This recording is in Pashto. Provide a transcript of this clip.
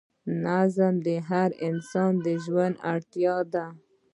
نظم د هر انسان د ژوند اړتیا ده.